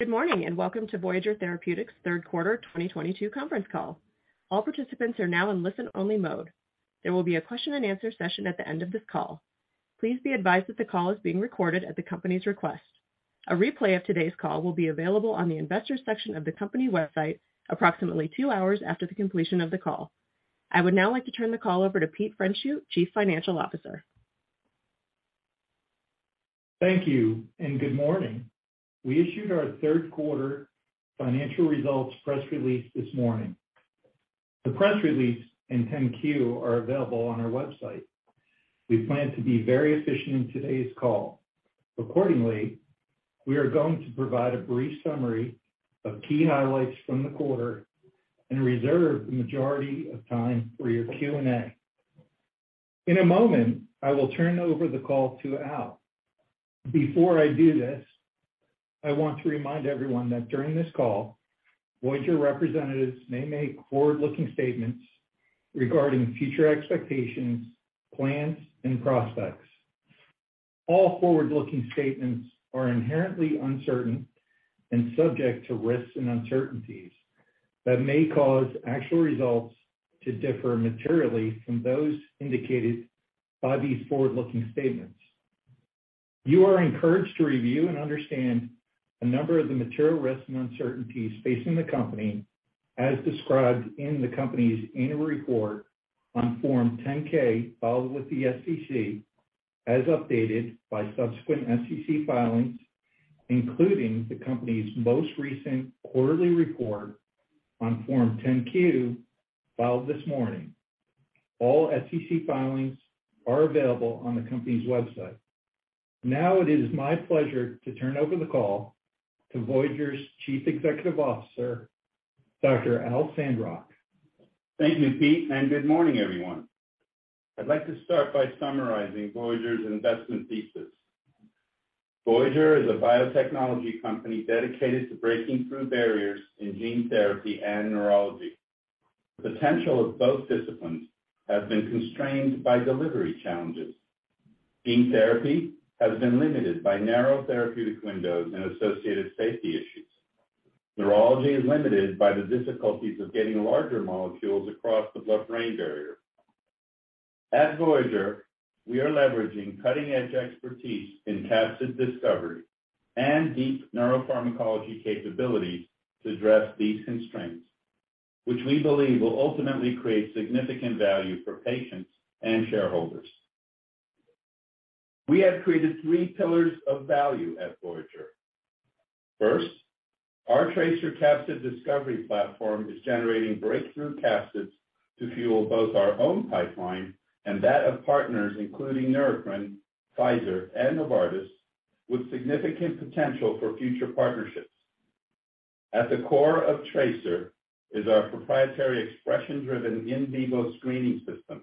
Good morning, welcome to Voyager Therapeutics' third quarter 2022 conference call. All participants are now in listen-only mode. There will be a question and answer session at the end of this call. Please be advised that the call is being recorded at the company's request. A replay of today's call will be available on the investors section of the company website approximately two hours after the completion of the call. I would now like to turn the call over to Peter Pfreundschuh, Chief Financial Officer. Thank you, good morning. We issued our third quarter financial results press release this morning. The press release and 10-Q are available on our website. We plan to be very efficient in today's call. Accordingly, we are going to provide a brief summary of key highlights from the quarter and reserve the majority of time for your Q&A. In a moment, I will turn over the call to Al. Before I do this, I want to remind everyone that during this call, Voyager representatives may make forward-looking statements regarding future expectations, plans, and prospects. All forward-looking statements are inherently uncertain and subject to risks and uncertainties that may cause actual results to differ materially from those indicated by these forward-looking statements. You are encouraged to review and understand a number of the material risks and uncertainties facing the company as described in the company's annual report on Form 10-K filed with the SEC, as updated by subsequent SEC filings, including the company's most recent quarterly report on Form 10-Q, filed this morning. All SEC filings are available on the company's website. Now it is my pleasure to turn over the call to Voyager's Chief Executive Officer, Dr. Al Sandrock. Thank you, Pete, good morning, everyone. I'd like to start by summarizing Voyager's investment thesis. Voyager is a biotechnology company dedicated to breaking through barriers in gene therapy and neurology. The potential of both disciplines has been constrained by delivery challenges. Gene therapy has been limited by narrow therapeutic windows and associated safety issues. Neurology is limited by the difficulties of getting larger molecules across the blood-brain barrier. At Voyager, we are leveraging cutting-edge expertise in capsid discovery and deep neuropharmacology capabilities to address these constraints, which we believe will ultimately create significant value for patients and shareholders. We have created three pillars of value at Voyager. First, our TRACER capsid discovery platform is generating breakthrough capsids to fuel both our own pipeline and that of partners including Neurocrine, Pfizer, and Novartis, with significant potential for future partnerships. At the core of TRACER is our proprietary expression-driven in vivo screening system.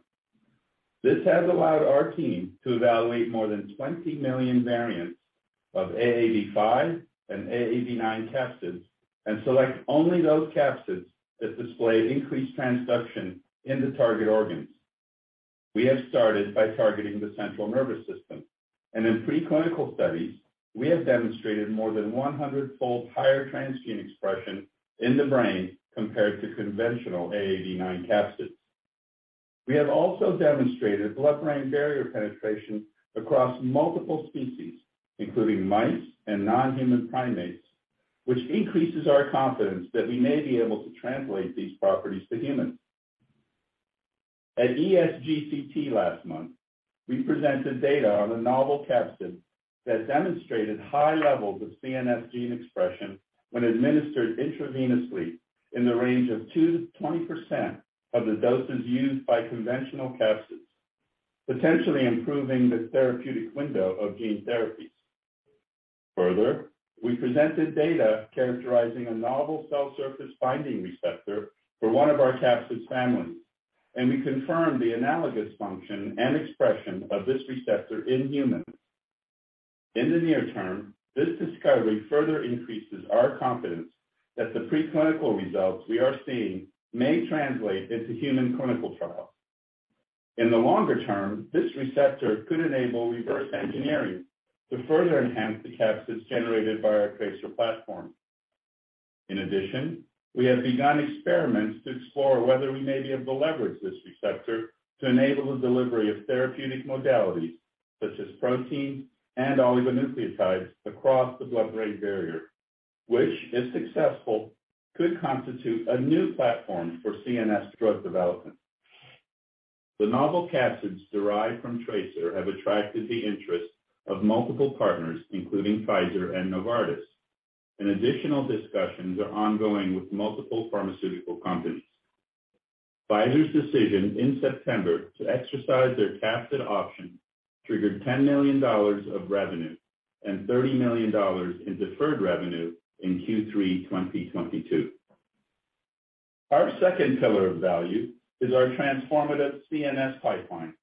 This has allowed our team to evaluate more than 20 million variants of AAV5 and AAV9 capsids and select only those capsids that display increased transduction in the target organs. We have started by targeting the central nervous system, and in pre-clinical studies, we have demonstrated more than 100-fold higher transgene expression in the brain compared to conventional AAV9 capsids. We have also demonstrated blood-brain barrier penetration across multiple species, including mice and non-human primates, which increases our confidence that we may be able to translate these properties to humans. At ESGCT last month, we presented data on a novel capsid that demonstrated high levels of CNS gene expression when administered intravenously in the range of 2%-20% of the doses used by conventional capsids, potentially improving the therapeutic window of gene therapies. We presented data characterizing a novel cell surface binding receptor for one of our capsid's families, and we confirmed the analogous function and expression of this receptor in humans. In the near term, this discovery further increases our confidence that the pre-clinical results we are seeing may translate into human clinical trials. In the longer term, this receptor could enable reverse engineering to further enhance the capsids generated by our TRACER platform. In addition, we have begun experiments to explore whether we may be able to leverage this receptor to enable the delivery of therapeutic modalities such as proteins and oligonucleotides across the blood-brain barrier, which, if successful, could constitute a new platform for CNS drug development. The novel capsids derived from TRACER have attracted the interest of multiple partners, including Pfizer and Novartis. Additional discussions are ongoing with multiple pharmaceutical companies. Pfizer's decision in September to exercise their capsid option triggered $10 million of revenue and $30 million in deferred revenue in Q3 2022. Our second pillar of value is our transformative CNS pipeline.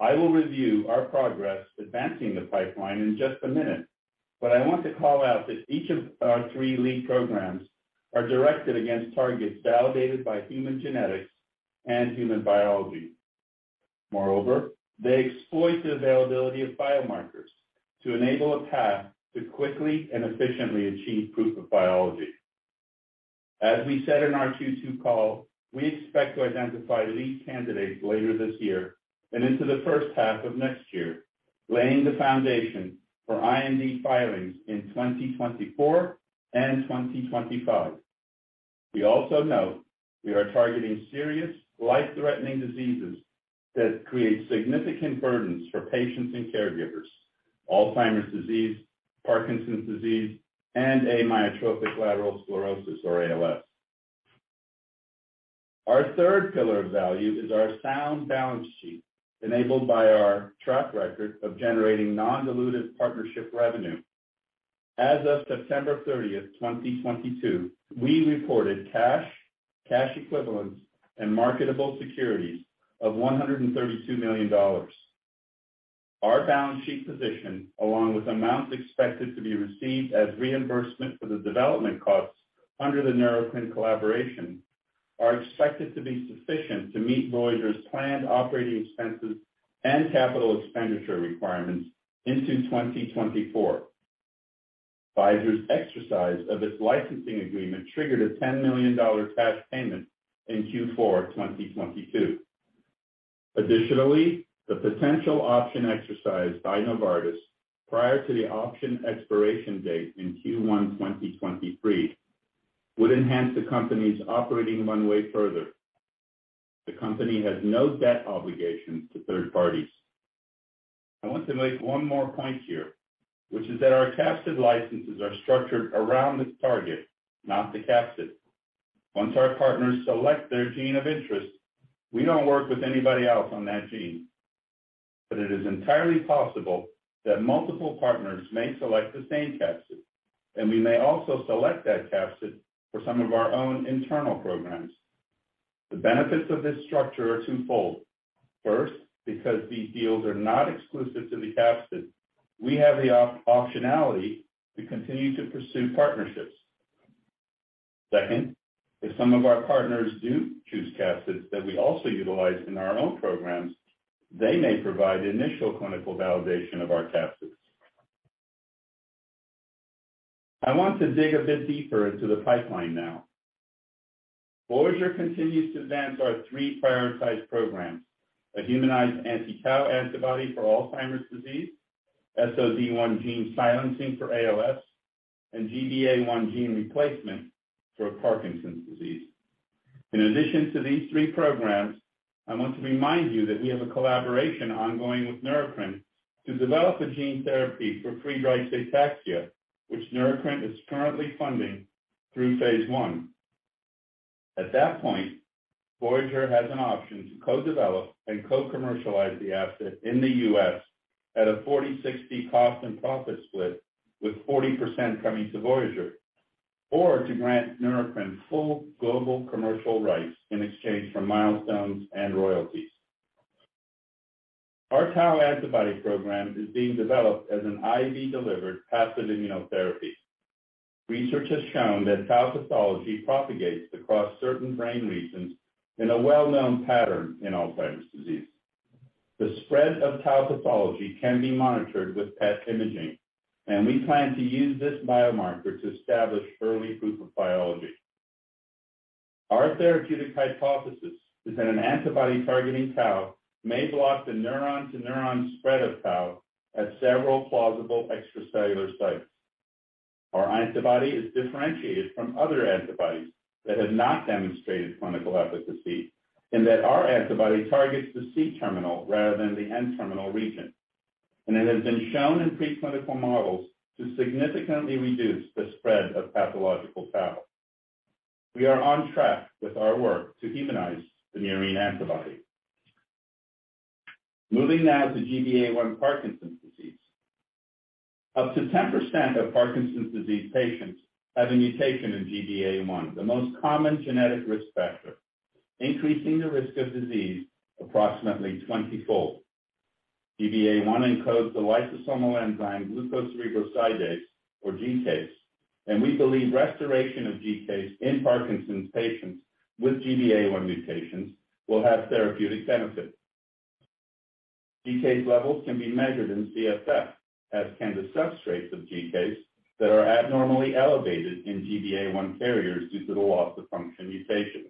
I will review our progress advancing the pipeline in just a minute, but I want to call out that each of our three lead programs are directed against targets validated by human genetics and human biology. Moreover, they exploit the availability of biomarkers to enable a path to quickly and efficiently achieve proof of biology. As we said in our Q2 call, we expect to identify lead candidates later this year and into the first half of next year, laying the foundation for IND filings in 2024 and 2025. We also note we are targeting serious life-threatening diseases that create significant burdens for patients and caregivers: Alzheimer's disease, Parkinson's disease, and amyotrophic lateral sclerosis or ALS. Our third pillar of value is our sound balance sheet, enabled by our track record of generating non-dilutive partnership revenue. As of September 30, 2022, we reported cash equivalents, and marketable securities of $132 million. Our balance sheet position, along with amounts expected to be received as reimbursement for the development costs under the Neurocrine collaboration, are expected to be sufficient to meet Voyager's planned operating expenses and capital expenditure requirements into 2024. Pfizer's exercise of its licensing agreement triggered a $10 million cash payment in Q4 2022. Additionally, the potential option exercised by Novartis prior to the option expiration date in Q1 2023 would enhance the company's operating runway further. The company has no debt obligations to third parties. I want to make one more point here, which is that our capsid licenses are structured around the target, not the capsid. Once our partners select their gene of interest, we don't work with anybody else on that gene. It is entirely possible that multiple partners may select the same capsid, and we may also select that capsid for some of our own internal programs. The benefits of this structure are twofold. First, because these deals are not exclusive to the capsid, we have the optionality to continue to pursue partnerships. Second, if some of our partners do choose capsids that we also utilize in our own programs, they may provide initial clinical validation of our capsids. I want to dig a bit deeper into the pipeline now. Voyager continues to advance our three prioritized programs, a humanized anti-tau antibody for Alzheimer's disease, SOD1 gene silencing for ALS, and GBA1 gene replacement for Parkinson's disease. In addition to these three programs, I want to remind you that we have a collaboration ongoing with Neurocrine to develop a gene therapy for Friedreich's ataxia, which Neurocrine is currently funding through phase I. At that point, Voyager has an option to co-develop and co-commercialize the asset in the U.S. at a 40/60 cost and profit split with 40% coming to Voyager, or to grant Neurocrine full global commercial rights in exchange for milestones and royalties. Our tau antibody program is being developed as an IV-delivered passive immunotherapy. Research has shown that tau pathology propagates across certain brain regions in a well-known pattern in Alzheimer's disease. The spread of tau pathology can be monitored with PET imaging, and we plan to use this biomarker to establish early proof of biology. Our therapeutic hypothesis is that an antibody targeting tau may block the neuron-to-neuron spread of tau at several plausible extracellular sites. Our antibody is differentiated from other antibodies that have not demonstrated clinical efficacy in that our antibody targets the C terminal rather than the N terminal region, and it has been shown in pre-clinical models to significantly reduce the spread of pathological tau. We are on track with our work to humanize the murine antibody. Moving now to GBA1 Parkinson's disease. Up to 10% of Parkinson's disease patients have a mutation in GBA1, the most common genetic risk factor, increasing the risk of disease approximately 20-fold. GBA1 encodes the lysosomal enzyme glucocerebrosidase or GCase, and we believe restoration of GCase in Parkinson's patients with GBA1 mutations will have therapeutic benefit. GCase levels can be measured in CSF, as can the substrates of GCase that are abnormally elevated in GBA1 carriers due to the loss-of-function mutation.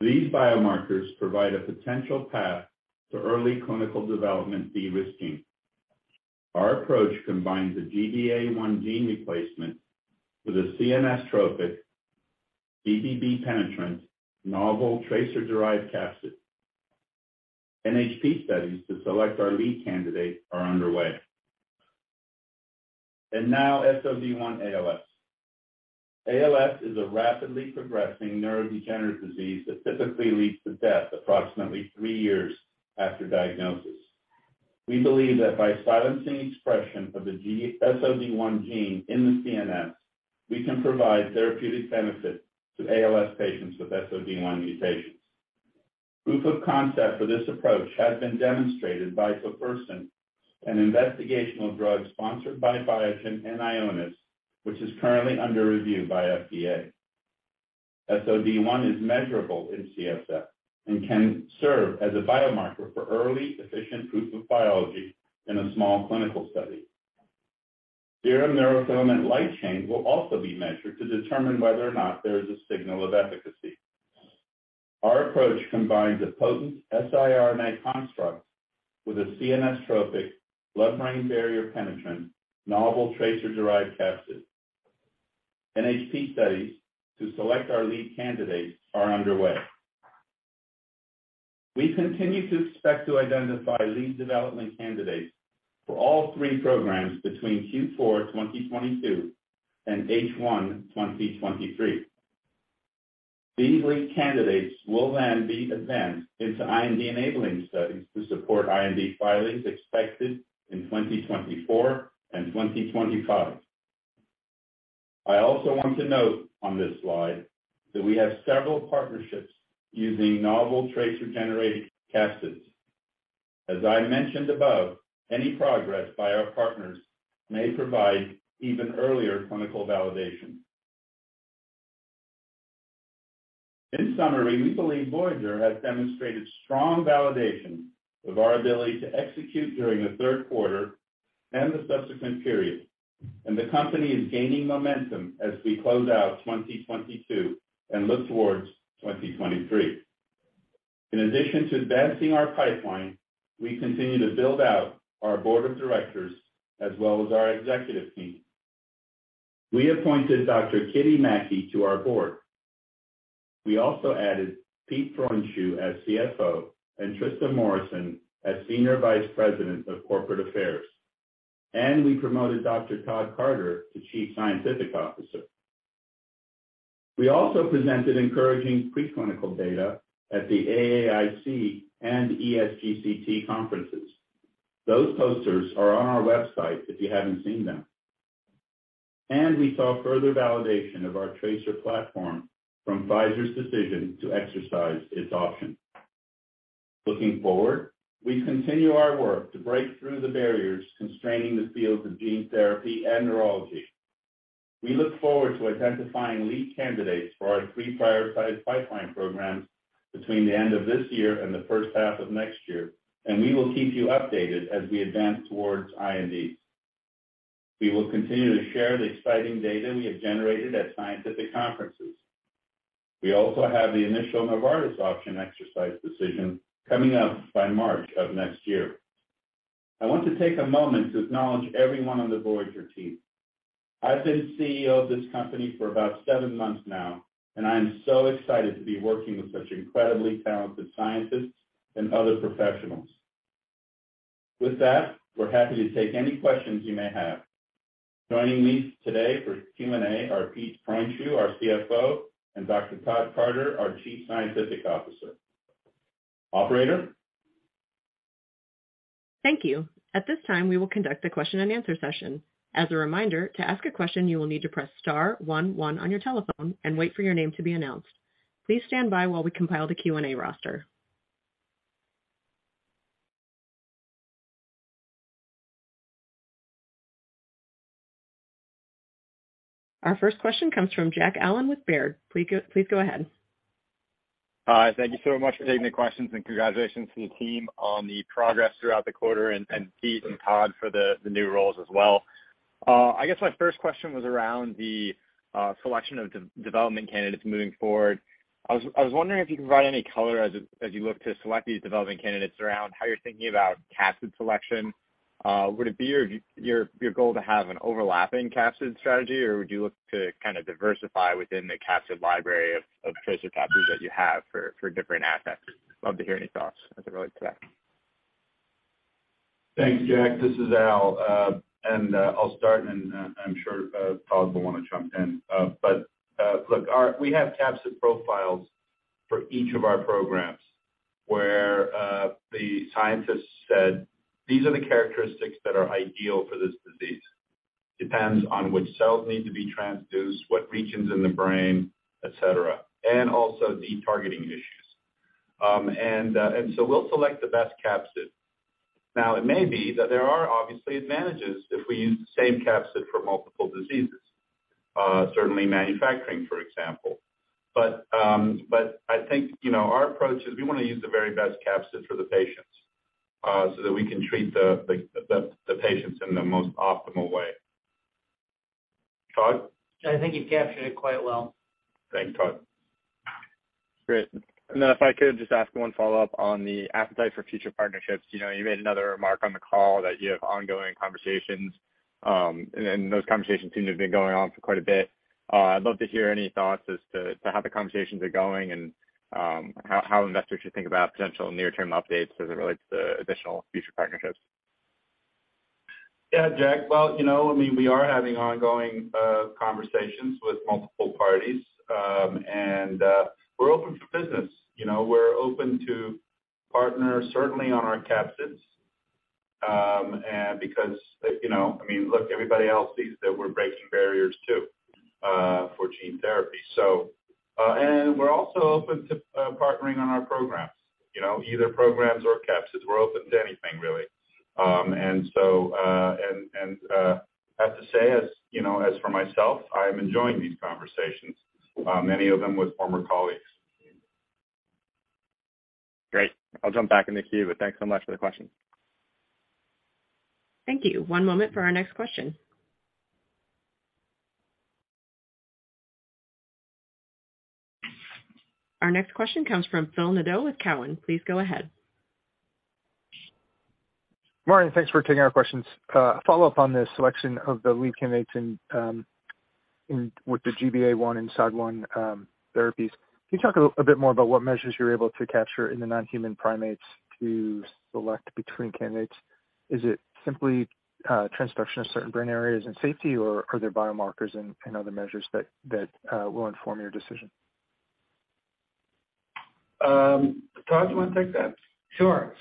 These biomarkers provide a potential path to early clinical development de-risking. Our approach combines a GBA1 gene replacement with a CNS trophic BBB penetrant novel TRACER-derived capsid. NHP studies to select our lead candidate are underway. Now SOD1 ALS. ALS is a rapidly progressing neurodegenerative disease that typically leads to death approximately three years after diagnosis. We believe that by silencing expression of the SOD1 gene in the CNS, we can provide therapeutic benefit to ALS patients with SOD1 mutations. Proof of concept for this approach has been demonstrated by tofersen, an investigational drug sponsored by Biogen and Ionis, which is currently under review by FDA. SOD1 is measurable in CSF and can serve as a biomarker for early efficient proof of biology in a small clinical study. Serum neurofilament light chain will also be measured to determine whether or not there is a signal of efficacy. Our approach combines a potent siRNA construct with a CNS-tropic blood-brain barrier penetrant, novel TRACER-derived capsid. NHP studies to select our lead candidates are underway. We continue to expect to identify lead development candidates for all three programs between Q4 2022 and H1 2023. These lead candidates will then be advanced into IND-enabling studies to support IND filings expected in 2024 and 2025. I also want to note on this slide that we have several partnerships using novel TRACER-generated capsids. As I mentioned above, any progress by our partners may provide even earlier clinical validation. In summary, we believe Voyager has demonstrated strong validation of our ability to execute during the third quarter and the subsequent period. The company is gaining momentum as we close out 2022 and look towards 2023. In addition to advancing our pipeline, we continue to build out our board of directors as well as our executive team. We appointed Dr. Kitty Mackey to our board. We also added Pete Pfreundschuh as CFO and Trista Morrison as Senior Vice President of Corporate Affairs. We promoted Dr. Todd Carter to Chief Scientific Officer. We also presented encouraging preclinical data at the AAIC and ESGCT conferences. Those posters are on our website if you haven't seen them. We saw further validation of our TRACER platform from Pfizer's decision to exercise its option. Looking forward, we continue our work to break through the barriers constraining the fields of gene therapy and neurology. We look forward to identifying lead candidates for our three prioritized pipeline programs between the end of this year and the first half of next year. We will keep you updated as we advance towards IND. We will continue to share the exciting data we have generated at scientific conferences. We also have the initial Novartis option exercise decision coming up by March of next year. I want to take a moment to acknowledge everyone on the Voyager team. I've been CEO of this company for about seven months now. I am so excited to be working with such incredibly talented scientists and other professionals. With that, we're happy to take any questions you may have. Joining me today for Q&A are Pete Pfreundschuh, our CFO, and Dr. Todd Carter, our Chief Scientific Officer. Operator? Thank you. At this time, we will conduct a question-and-answer session. As a reminder, to ask a question, you will need to press star one one on your telephone and wait for your name to be announced. Please stand by while we compile the Q&A roster. Our first question comes from Jack Allen with Baird. Please go ahead. Hi. Thank you so much for taking the questions and congratulations to the team on the progress throughout the quarter, Pete and Todd for the new roles as well. I guess my first question was around the selection of development candidates moving forward. I was wondering if you can provide any color as you look to select these development candidates around how you're thinking about capsid selection. Would it be your goal to have an overlapping capsid strategy, or would you look to kind of diversify within the capsid library of TRACER capsids that you have for different assets? Love to hear any thoughts as it relates to that. Thanks, Jack. This is Al, I'll start, and I'm sure Todd will want to jump in. Look, we have capsid profiles for each of our programs where the scientists said these are the characteristics that are ideal for this disease. Depends on which cells need to be transduced, what regions in the brain, et cetera, and also the targeting issues. We'll select the best capsid. It may be that there are obviously advantages if we use the same capsid for multiple diseases, certainly manufacturing, for example. I think our approach is we want to use the very best capsid for the patients, so that we can treat the patients in the most optimal way. Todd? I think you captured it quite well. Thanks, Todd. Great. If I could just ask one follow-up on the appetite for future partnerships. You made another remark on the call that you have ongoing conversations, and those conversations seem to have been going on for quite a bit. I'd love to hear any thoughts as to how the conversations are going and how investors should think about potential near-term updates as it relates to additional future partnerships. Yeah, Jack. Well, we are having ongoing conversations with multiple parties, and we're open for business. We're open to partners certainly on our capsids, because look, everybody else sees that we're breaking barriers too for gene therapy. We're also open to partnering on our programs. Either programs or capsids. We're open to anything, really. I have to say, as for myself, I am enjoying these conversations, many of them with former colleagues. Great. I'll jump back in the queue, thanks so much for the question. Thank you. One moment for our next question. Our next question comes from Phil Nadeau with Cowen. Please go ahead. Morning, thanks for taking our questions. A follow-up on the selection of the lead candidates with the GBA1 and SOD1 therapies. Can you talk a bit more about what measures you're able to capture in the non-human primates to select between candidates? Is it simply transduction of certain brain areas and safety, or are there biomarkers and other measures that will inform your decision? Todd, do you want to take that? Sure.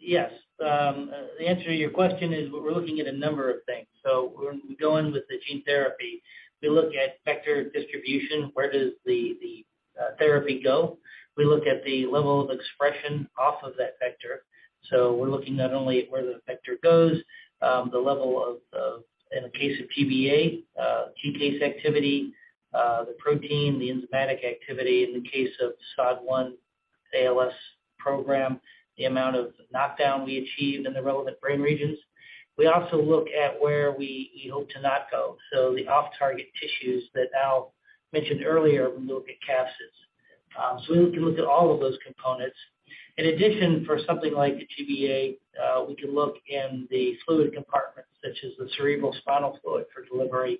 Yes. The answer to your question is we're looking at a number of things. When we go in with the gene therapy, we look at vector distribution, where does the therapy go? We look at the level of expression off of that vector. We're looking not only at where the vector goes, the level of, in the case of GBA, GCase activity, the protein, the enzymatic activity. In the case of SOD1 ALS program, the amount of knockdown we achieve in the relevant brain regions. We also look at where we hope to not go. The off-target tissues that Al mentioned earlier when we look at capsids. We look at all of those components. In addition, for something like the GBA, we can look in the fluid compartments, such as the cerebral spinal fluid, for delivery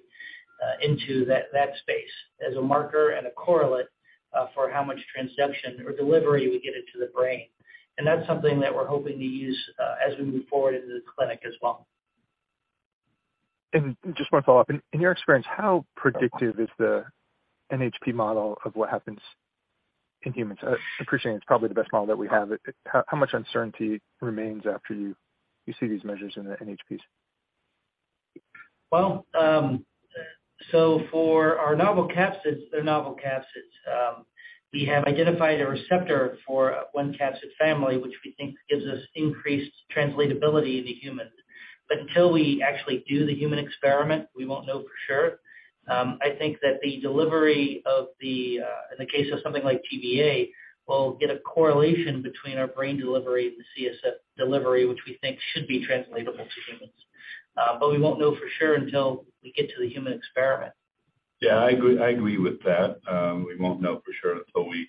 into that space as a marker and a correlate for how much transduction or delivery we get into the brain. That's something that we're hoping to use as we move forward into the clinic as well. Just one follow-up. In your experience, how predictive is the NHP model of what happens in humans? I appreciate it's probably the best model that we have. How much uncertainty remains after you see these measures in the NHPs? Well, for our novel capsids, they're novel capsids. We have identified a receptor for one capsid family, which we think gives us increased translatability into humans. Until we actually do the human experiment, we won't know for sure. I think that the delivery of the, in the case of something like GBA, we'll get a correlation between our brain delivery and the CSF delivery, which we think should be translatable to humans. We won't know for sure until we get to the human experiment. Yeah, I agree with that. We won't know for sure until we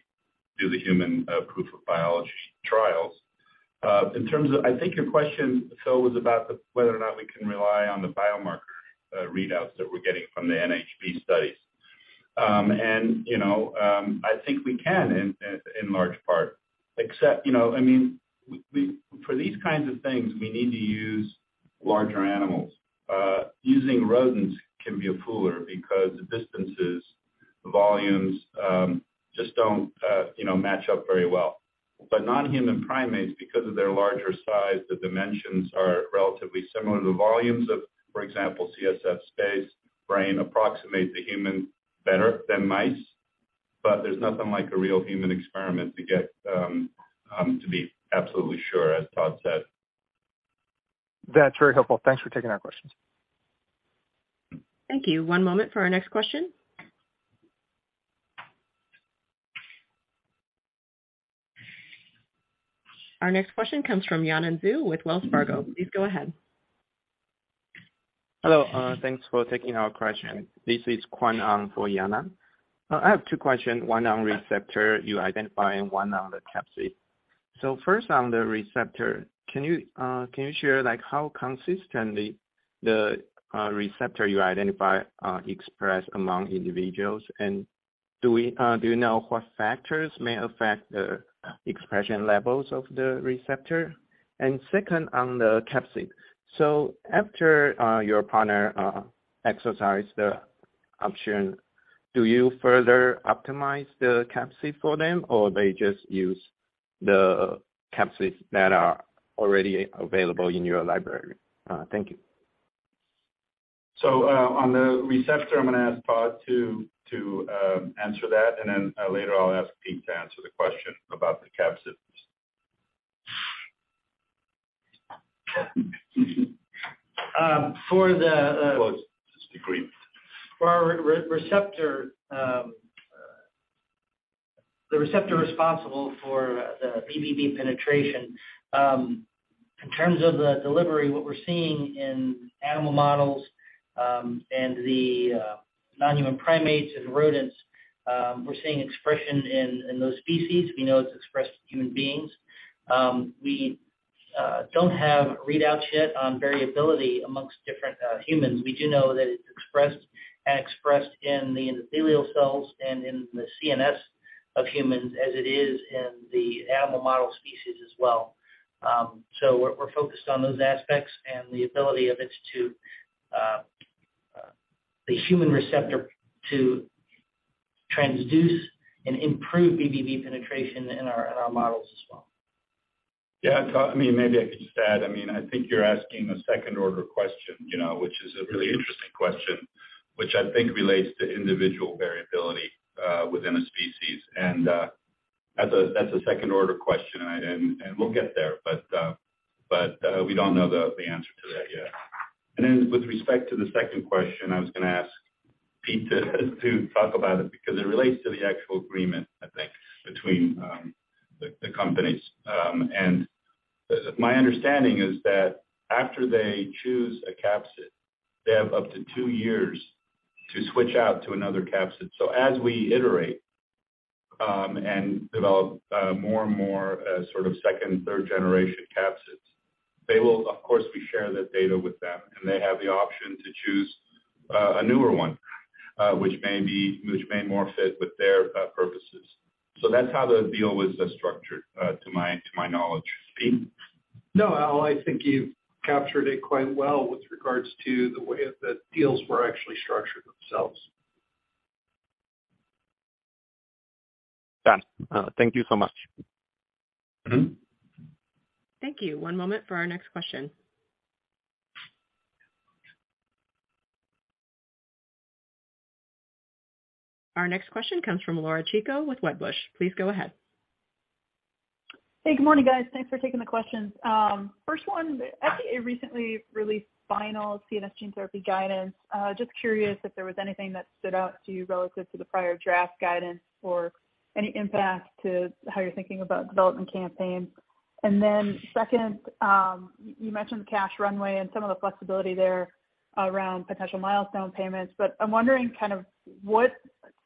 do the human proof of biology trials. In terms of, I think your question, Phil, was about whether or not we can rely on the biomarker readouts that we're getting from the NHP studies. I think we can, in large part, except, for these kinds of things, we need to use larger animals. Using rodents can be a fooler because the distances, the volumes, just don't match up very well. Non-human primates, because of their larger size, the dimensions are relatively similar. The volumes of, for example, CSF space, brain approximates a human better than mice, but there's nothing like a real human experiment to be absolutely sure, as Todd said. That's very helpful. Thanks for taking our questions. Thank you. One moment for our next question. Our next question comes from Yanan Zhu with Wells Fargo. Please go ahead. Hello. Thanks for taking our question. This is Kwon Sun for Yanan. I have two questions, one on receptor you identify and one on the capsid. First on the receptor, can you share how consistently the receptor you identify express among individuals? Do you know what factors may affect the expression levels of the receptor? Second, on the capsid. After your partner exercise the option, do you further optimize the capsid for them, or they just use the capsids that are already available in your library? Thank you. On the receptor, I'm going to ask Todd to answer that, and then later I'll ask Pete to answer the question about the capsids. For the- Close to the screen. For our receptor, the receptor responsible for the BBB penetration, in terms of the delivery, what we're seeing in animal models, and the non-human primates and rodents, we're seeing expression in those species. We know it's expressed in human beings. We don't have readouts yet on variability amongst different humans. We do know that it's expressed and expressed in the endothelial cells and in the CNS of humans as it is in the animal model species as well. We're focused on those aspects and the ability of its, to the human receptor to transduce and improve BBB penetration in our models as well. Yeah, Todd, maybe I could just add, I think you're asking a second-order question, which is a really interesting question. Which I think relates to individual variability within a species and That's a second-order question, and we'll get there, but we don't know the answer to that yet. With respect to the second question, I was going to ask Pete to talk about it because it relates to the actual agreement, I think, between the companies. My understanding is that after they choose a capsid, they have up to two years to switch out to another capsid. As we iterate and develop more and sort of second and third-generation capsids, they will, of course, we share that data with them, and they have the option to choose a newer one which may more fit with their purposes. That's how the deal was structured to my knowledge. Pete? No, Al, I think you've captured it quite well with regards to the way that deals were actually structured themselves. Done. Thank you so much. Thank you. One moment for our next question. Our next question comes from Laura Chico with Wedbush. Please go ahead. Hey, good morning, guys. Thanks for taking the questions. First one, FDA recently released final CNS gene therapy guidance. Just curious if there was anything that stood out to you relative to the prior draft guidance or any impact to how you're thinking about development campaigns. Second, you mentioned cash runway and some of the flexibility there around potential milestone payments, I'm wondering what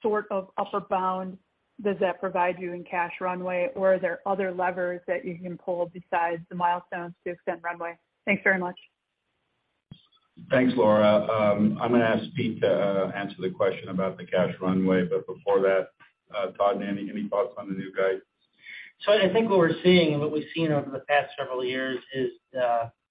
sort of upper bound does that provide you in cash runway, or are there other levers that you can pull besides the milestones to extend runway? Thanks very much. Thanks, Laura. I'm going to ask Pete to answer the question about the cash runway. Before that, Todd and Andy, any thoughts on the new guidance? I think what we're seeing and what we've seen over the past several years is,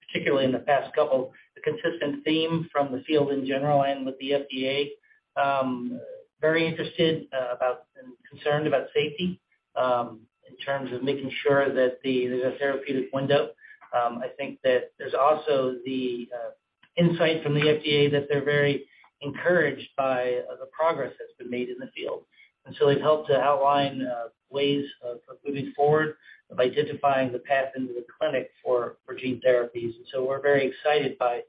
particularly in the past couple, the consistent theme from the field in general and with the FDA, very interested about and concerned about safety in terms of making sure that there's a therapeutic window. I think that there's also the insight from the FDA that they're very encouraged by the progress that's been made in the field. They've helped to outline ways of moving forward, of identifying the path into the clinic for gene therapies. We're very excited by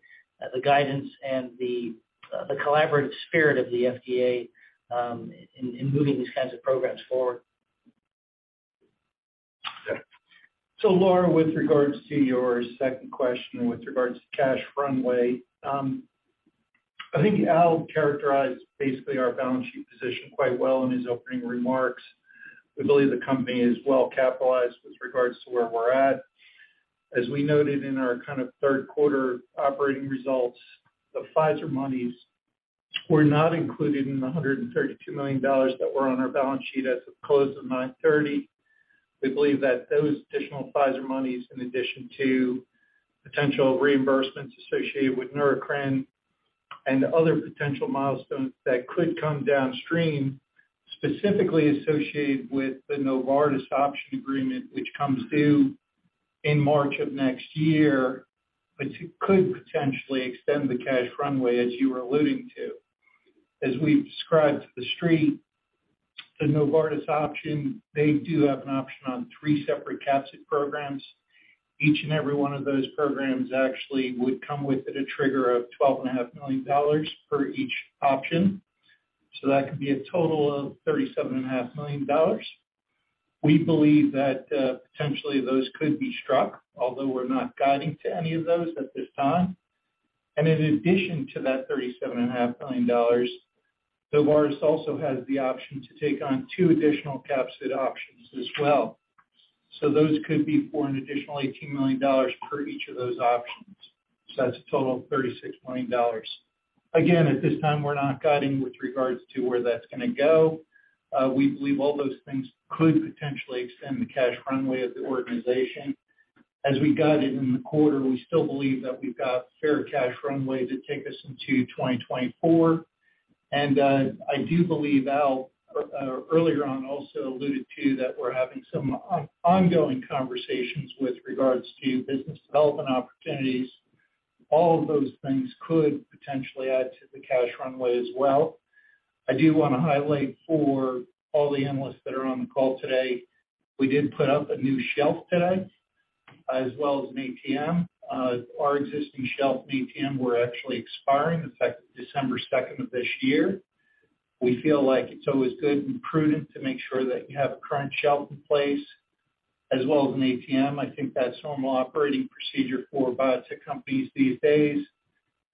the guidance and the collaborative spirit of the FDA in moving these kinds of programs forward. Okay. Laura, with regards to your second question with regards to cash runway, I think Al characterized basically our balance sheet position quite well in his opening remarks. We believe the company is well capitalized with regards to where we're at. As we noted in our third quarter operating results, the Pfizer monies were not included in the $132 million that were on our balance sheet as of close of 9/30. We believe that those additional Pfizer monies, in addition to potential reimbursements associated with Neurocrine and other potential milestones that could come downstream, specifically associated with the Novartis option agreement, which comes due in March of next year, which could potentially extend the cash runway as you were alluding to. As we've described to the street, the Novartis option, they do have an option on three separate capsid programs. Each and every one of those programs actually would come with it a trigger of $12.5 million for each option. That could be a total of $37.5 million. We believe that potentially those could be struck, although we're not guiding to any of those at this time. In addition to that $37.5 million, Novartis also has the option to take on two additional capsid options as well. Those could be for an additional $18 million per each of those options. That's a total of $36 million. Again, at this time, we're not guiding with regards to where that's going to go. We believe all those things could potentially extend the cash runway of the organization. As we guided in the quarter, we still believe that we've got fair cash runway to take us into 2024. I do believe Al earlier on also alluded to that we're having some ongoing conversations with regards to business development opportunities. All of those things could potentially add to the cash runway as well. I do want to highlight for all the analysts that are on the call today, we did put up a new shelf today, as well as an ATM. Our existing shelf and ATM were actually expiring December 2nd of this year. We feel like it's always good and prudent to make sure that you have a current shelf in place as well as an ATM. I think that's normal operating procedure for biotech companies these days.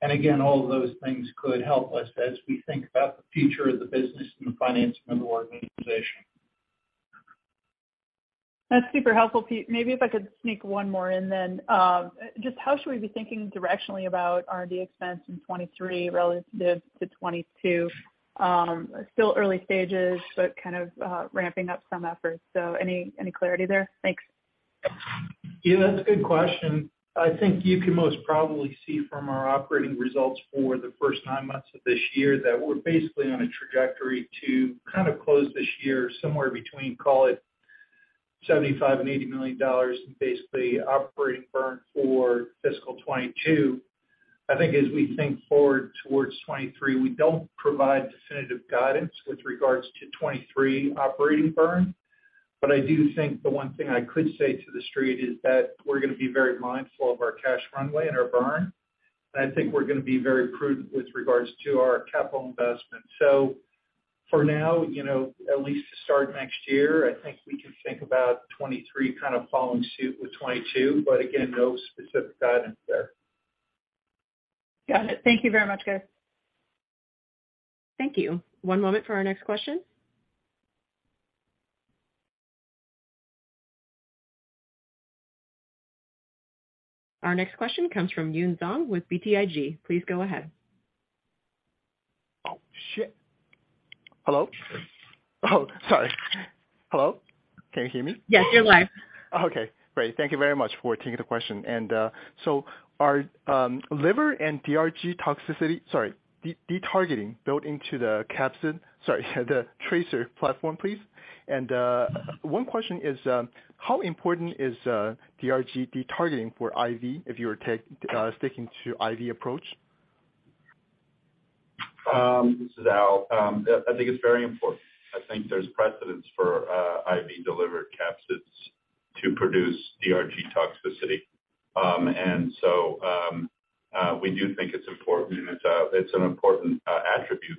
Again, all of those things could help us as we think about the future of the business and the financing organization. That's super helpful, Pete. Maybe if I could sneak one more in then. Just how should we be thinking directionally about R&D expense in 2023 relative to 2022? Still early stages, but kind of ramping up some efforts. Any clarity there? Thanks. Yeah, that's a good question. I think you can most probably see from our operating results for the first nine months of this year that we're basically on a trajectory to close this year somewhere between call it $75 and $80 million in basically operating burn for fiscal 2022. I think as we think forward towards 2023, we don't provide definitive guidance with regards to 2023 operating burn. I do think the one thing I could say to The Street is that we're going to be very mindful of our cash runway and our burn. I think we're going to be very prudent with regards to our capital investment. For now, at least to start next year, I think we can think about 2023 following suit with 2022. Again, no specific guidance there. Got it. Thank you very much, guys. Thank you. One moment for our next question. Our next question comes from Yun Zhong with BTIG. Please go ahead. Oh, shit. Hello? Oh, sorry. Hello? Can you hear me? Yes, you're live. Okay, great. Thank you very much for taking the question. Are liver and DRG detargeting built into the capsid, the TRACER platform, please? One question is, how important is DRG detargeting for IV if you are sticking to IV approach? This is Al. I think it's very important. I think there's precedence for IV-delivered capsids to produce DRG toxicity. We do think it's important. It's an important attribute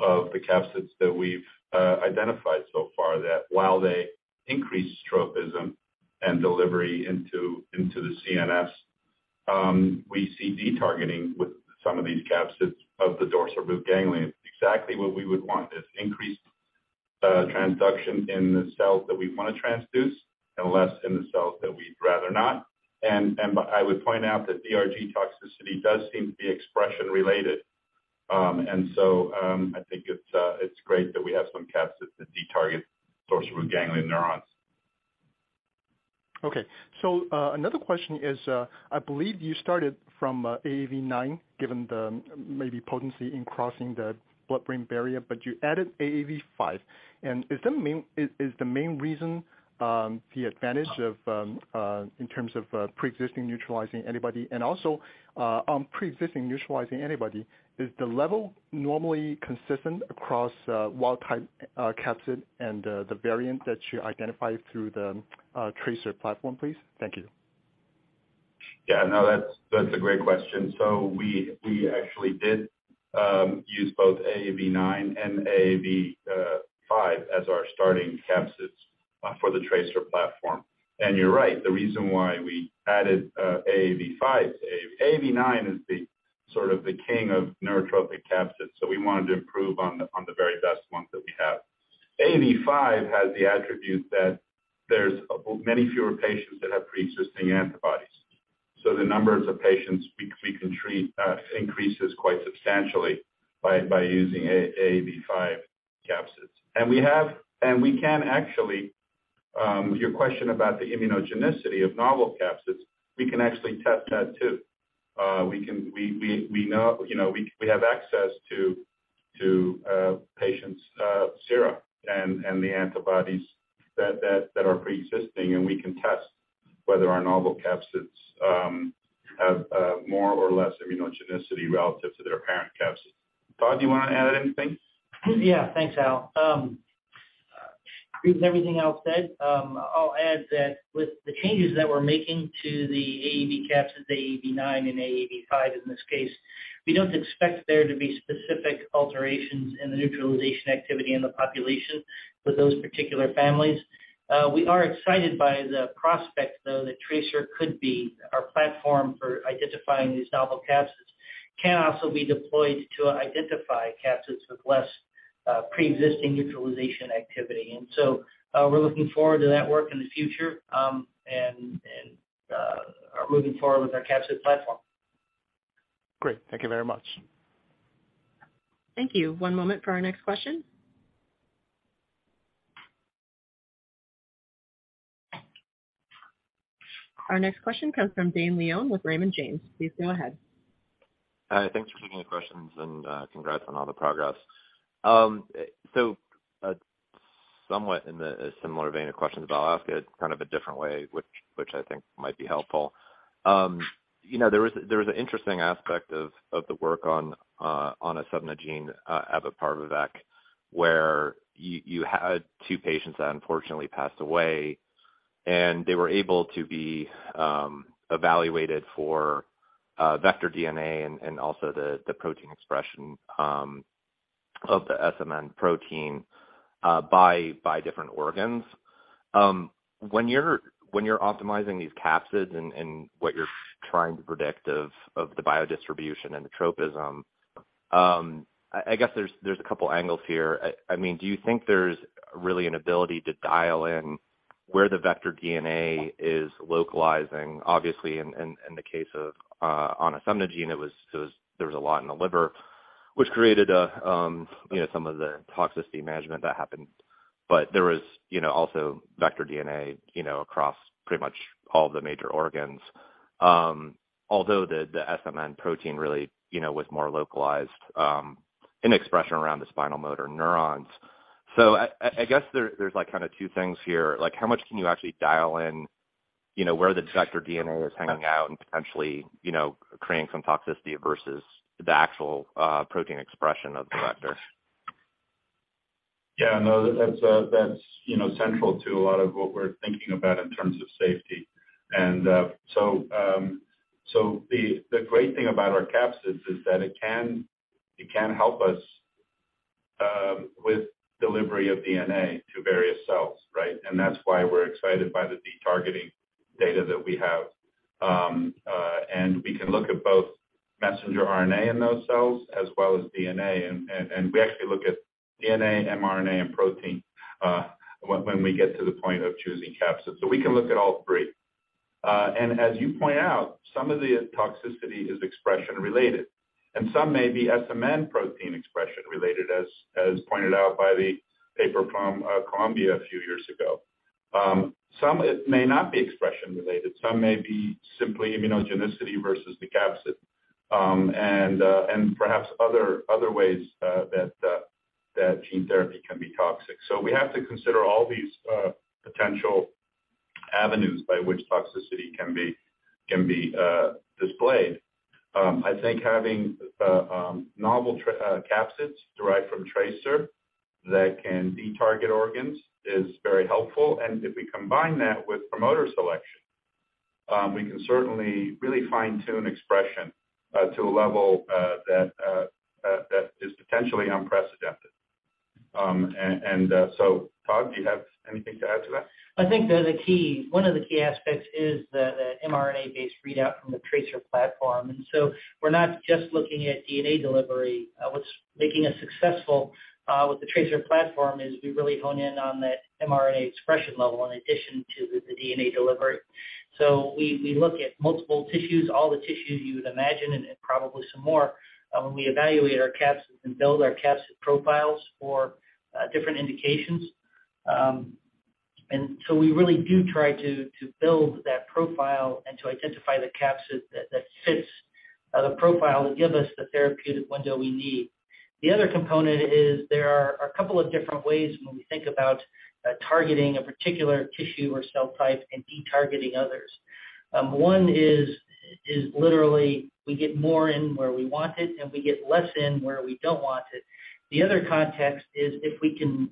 of the capsids that we've identified so far that while they increase tropism and delivery into the CNS, we see detargeting with some of these capsids of the dorsal root ganglion. Exactly what we would want is increased transduction in the cells that we want to transduce and less in the cells that we'd rather not. I would point out that DRG toxicity does seem to be expression-related. I think it's great that we have some capsids that detarget dorsal root ganglion neurons. Okay. Another question is, I believe you started from AAV9, given the maybe potency in crossing the blood-brain barrier, but you added AAV5. Is the main reason the advantage in terms of preexisting neutralizing antibody? Is the level normally consistent across wild-type capsid and the variant that you identify through the TRACER platform, please? Thank you. Yeah. No, that's a great question. We actually did use both AAV9 and AAV5 as our starting capsids for the TRACER platform. You're right, the reason why we added AAV5 to AAV9 is sort of the king of neurotropic capsids, we wanted to improve on the very best one that we have. AAV5 has the attribute that there's many fewer patients that have preexisting antibodies. The numbers of patients we can treat increases quite substantially by using AAV5 capsids. We can actually, your question about the immunogenicity of novel capsids, we can actually test that too. We have access to patients' serum and the antibodies that are preexisting, and we can test whether our novel capsids have more or less immunogenicity relative to their parent capsid. Todd, do you want to add anything? Thanks, Al. With everything Al said, I'll add that with the changes that we're making to the AAV capsids, AAV9 and AAV5 in this case, we don't expect there to be specific alterations in the neutralization activity in the population for those particular families. We are excited by the prospect, though, that TRACER could be our platform for identifying these novel capsids, can also be deployed to identify capsids with less preexisting neutralization activity. We're looking forward to that work in the future, and are moving forward with our capsid platform. Great. Thank you very much. Thank you. One moment for our next question. Our next question comes from Dane Leone with Raymond James. Please go ahead. Thanks for taking the questions, congrats on all the progress. Somewhat in the similar vein of questions, I'll ask it kind of a different way, which I think might be helpful. There was an interesting aspect of the work on onasemnogene abeparvovec, where you had two patients that unfortunately passed away, and they were able to be evaluated for vector DNA and also the protein expression of the SMN protein by different organs. When you're optimizing these capsids and what you're trying to predict of the biodistribution and the tropism, I guess there's a couple angles here. Do you think there's really an ability to dial in where the vector DNA is localizing? Obviously, in the case of onasemnogene, there was a lot in the liver, which created some of the toxicity management that happened. There was also vector DNA across pretty much all the major organs. Although the SMN protein really was more localized in expression around the spinal motor neurons. I guess there's two things here. How much can you actually dial in where the vector DNA is hanging out and potentially creating some toxicity versus the actual protein expression of the vector? Yeah, no, that's central to a lot of what we're thinking about in terms of safety. The great thing about our capsids is that it can help us with delivery of DNA to various cells, right? That's why we're excited by the de-targeting data that we have. We can look at both messenger RNA in those cells as well as DNA, and we actually look at DNA, mRNA, and protein when we get to the point of choosing capsid. We can look at all three. As you point out, some of the toxicity is expression-related, and some may be SMN protein expression related as pointed out by the paper from Columbia a few years ago. Some may not be expression related. Some may be simply immunogenicity versus the capsid, and perhaps other ways that gene therapy can be toxic. We have to consider all these potential avenues by which toxicity can be displayed. I think having novel capsids derived from TRACER that can de-target organs is very helpful. If we combine that with promoter selection, we can certainly really fine-tune expression to a level that is potentially unprecedented. Todd, do you have anything to add to that? I think one of the key aspects is the mRNA-based readout from the TRACER platform. We're not just looking at DNA delivery. What's making us successful with the TRACER platform is we really hone in on the mRNA expression level in addition to the DNA delivery. We look at multiple tissues, all the tissues you would imagine, and probably some more, when we evaluate our capsids and build our capsid profiles for different indications. We really do try to build that profile and to identify the capsid that fits the profile that gives us the therapeutic window we need. The other component is there are a couple of different ways when we think about targeting a particular tissue or cell type and de-targeting others. One is literally we get more in where we want it, and we get less in where we don't want it. The other context is if we can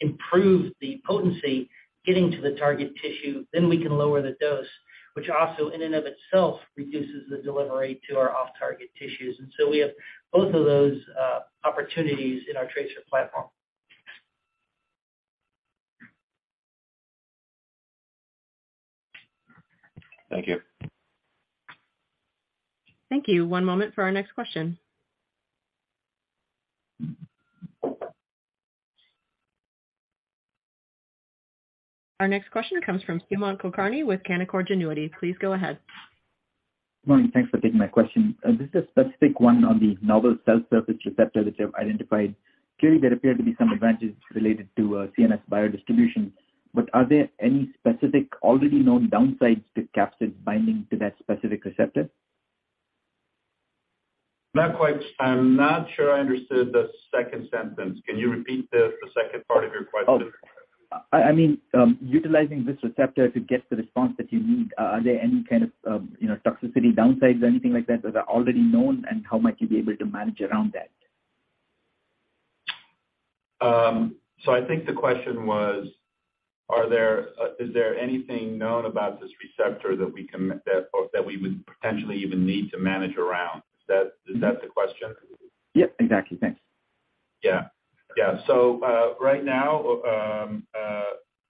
improve the potency getting to the target tissue, then we can lower the dose, which also in and of itself reduces the delivery to our off-target tissues. We have both of those opportunities in our TRACER platform. Thank you. Thank you. One moment for our next question. Our next question comes from Sumant Kulkarni with Canaccord Genuity. Please go ahead. Morning. Thanks for taking my question. This is a specific one on the novel cell surface receptor that you have identified. Clearly, there appear to be some advantages related to CNS biodistribution, are there any specific already known downsides to capsid binding to that specific receptor? Not quite. I'm not sure I understood the second sentence. Can you repeat the second part of your question? Oh. I mean utilizing this receptor to get the response that you need, are there any kind of toxicity downsides, anything like that that are already known, how might you be able to manage around that? I think the question was, is there anything known about this receptor that we would potentially even need to manage around? Is that the question? Yep, exactly. Thanks. Right now,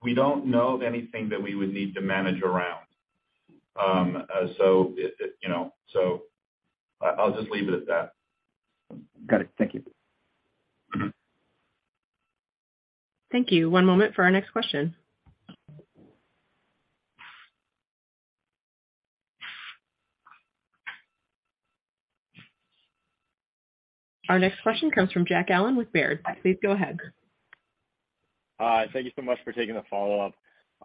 we don't know of anything that we would need to manage around. I'll just leave it at that. Got it. Thank you. Thank you. One moment for our next question. Our next question comes from Jack Allen with Baird. Please go ahead. Thank you so much for taking the follow-up.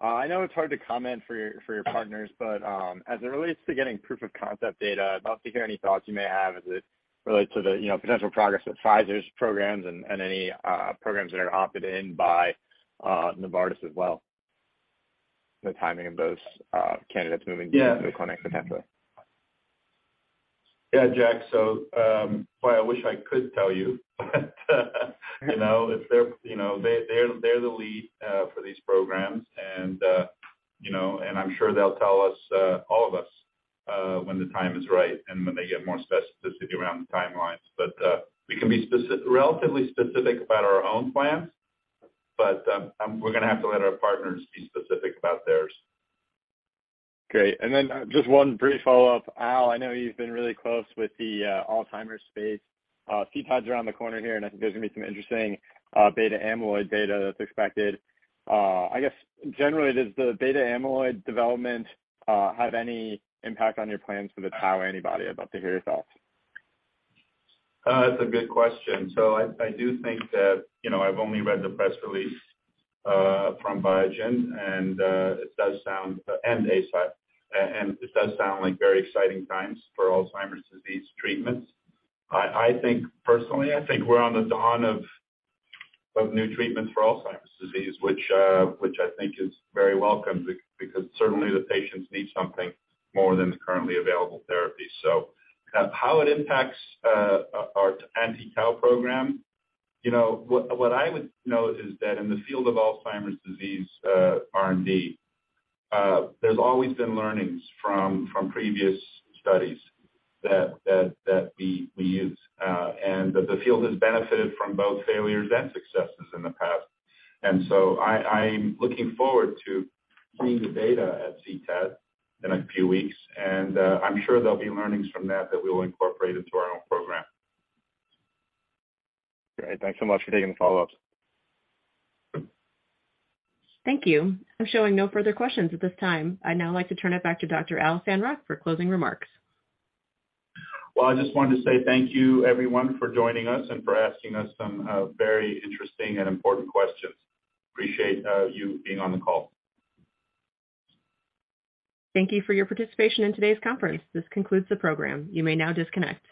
I know it's hard to comment for your partners, but as it relates to getting proof of concept data, I'd love to hear any thoughts you may have as it relates to the potential progress of Pfizer's programs and any programs that are opted in by Novartis as well, the timing of those candidates moving- Yeah into the clinic potentially. Yeah, Jack, boy, I wish I could tell you. They're the lead for these programs, and I'm sure they'll tell all of us when the time is right and when they get more specificity around the timelines. We can be relatively specific about our own plans, we're going to have to let our partners be specific about theirs. Great. Then just one brief follow-up. Al, I know you've been really close with the Alzheimer's space. CTAD's around the corner here, I think there's going to be some interesting beta amyloid data that's expected. I guess, generally, does the beta amyloid development have any impact on your plans for the tau antibody? I'd love to hear your thoughts. That's a good question. I do think that I've only read the press release from Biogen and Eisai, it does sound like very exciting times for Alzheimer's disease treatments. Personally, I think we're on the dawn of new treatments for Alzheimer's disease, which I think is very welcome because certainly the patients need something more than the currently available therapy. How it impacts our anti-tau program, what I would note is that in the field of Alzheimer's disease R&D, there's always been learnings from previous studies that we use, the field has benefited from both failures and successes in the past. I'm looking forward to seeing the data at CTAD in a few weeks, I'm sure there'll be learnings from that we'll incorporate into our own program. Great. Thanks so much for taking the follow-ups. Thank you. I'm showing no further questions at this time. I'd now like to turn it back to Dr. Al Sandrock for closing remarks. Well, I just wanted to say thank you, everyone, for joining us and for asking us some very interesting and important questions. Appreciate you being on the call. Thank you for your participation in today's conference. This concludes the program. You may now disconnect.